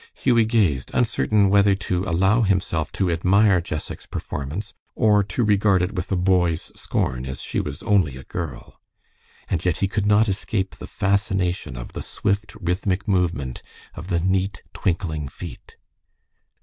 Hughie gazed, uncertain whether to allow himself to admire Jessac's performance, or to regard it with a boy's scorn, as she was only a girl. And yet he could not escape the fascination of the swift, rhythmic movement of the neat, twinkling feet.